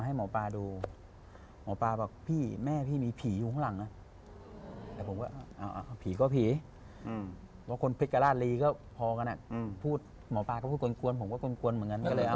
หาหมอป้าไหมอยู่ใกล้บ้านเรานี้